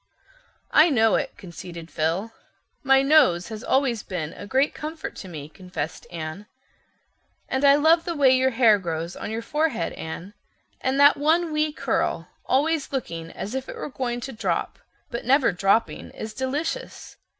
"I know it," conceded Phil. "My nose always has been a great comfort to me," confessed Anne. "And I love the way your hair grows on your forehead, Anne. And that one wee curl, always looking as if it were going to drop, but never dropping, is delicious.